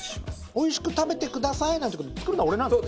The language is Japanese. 「おいしく食べてください」なんて言うけど作るのは俺なんですね。